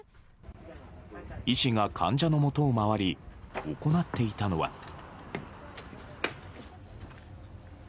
医師が患者のもとを回り行っていたのは。